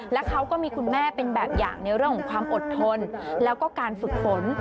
และเขาก็มีคุณแม่เป็นแบบอย่างในเรื่องของความอดทนแล้วก็การฝึกฝน